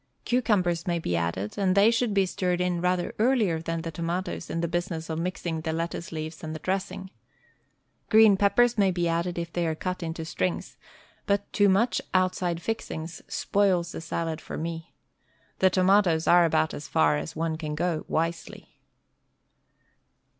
Cucumbers may be added, and they should be stirred in rather earlier than the tomatoes in the business of mixing the lettuce leaves and the dressing. Green peppers may be added if they are cut into strings, but too much outside fixings spoils the salad for me. The tomatoes are about as, far as one can go wisely.